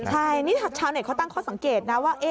ใช่นี่ชาวเน็ตเขาตั้งข้อสังเกตนะว่า